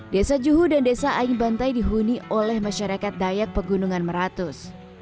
desa juhu dan desa aing bantai dihuni oleh masyarakat dayak pegunungan meratus